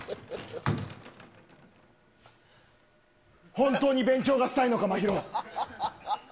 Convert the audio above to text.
本当に勉強がしたいのか、真宙。